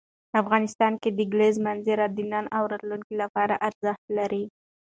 افغانستان کې د کلیزو منظره د نن او راتلونکي لپاره ارزښت لري.